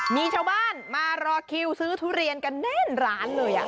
มีชาวบ้านมารอคิวซื้อทุเรียนกันแน่นร้านเลย